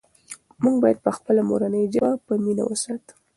موږ باید خپله مورنۍ ژبه په مینه وساتو.